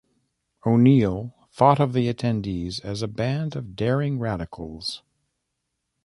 O'Neill thought of the attendees as "a band of daring radicals".